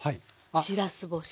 しらす干し。